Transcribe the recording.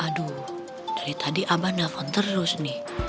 aduh dari tadi abah nelfon terus nih